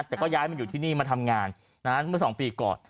แต่ก็ย้ายมาอยู่ที่นี่มาทำงานเมื่อ๒ปีก่อน